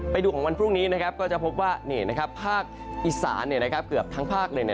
ไปดูของวันพรุ่งนี้ก็จะพบว่าภาคอีสานเกือบทั้งภาคเลย